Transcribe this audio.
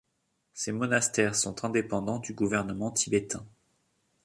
Ces monastères sont indépendants du gouvernement tibétain.